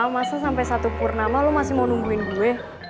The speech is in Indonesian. masa sampai satu purnama lo masih mau nungguin gue